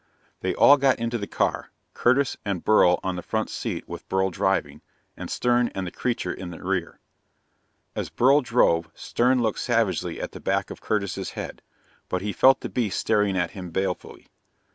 They all got into the car, Curtis and Beryl on the front seat, with Beryl driving, and Stern and the creature in the rear. As Beryl drove, Stern looked savagely at the back of Curtis's head, but he felt the beast staring at him balefully.